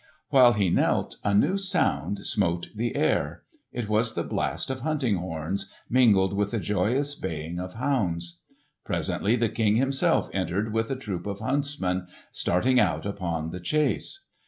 While he knelt a new sound smote the air. It was the blast of hunting horns mingled with the joyous baying of hounds. Presently the King himself entered with a troop of huntsmen starting out upon the chase.